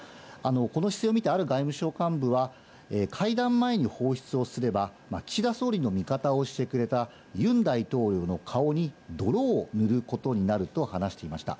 この姿勢を見てある外務省幹部は、会談前に放出をすれば、岸田総理の味方をしてくれたユン大統領の顔に泥を塗ることになると話していました。